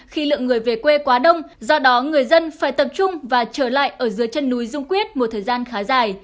khi lượng người về quê quá đông do đó người dân phải tập trung và trở lại ở dưới chân núi dung quyết một thời gian khá dài